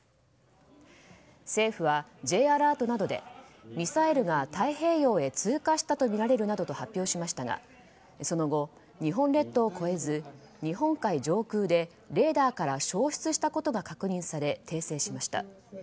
政府はＪアラートなどでミサイルが太平洋へ通過したとみられるなどと発表しましたがその後、日本列島を越えず日本海上空でレーダーから消失したことが確認され訂正しました。